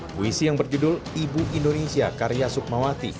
puisi yang berjudul ibu indonesia karya sukmawati